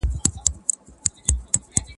هم برېتونه هم لكۍ يې ښوروله!!